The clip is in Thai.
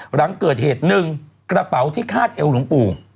หลังเกิดเหตุหนึ่งกระเป๋าที่คาดเอวหลวงปู่